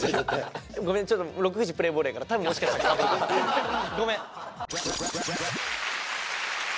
ごめんちょっと６時プレーボールやから多分ごめん！